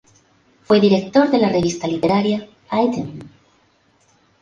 Fue director de la revista literaria "Ídem".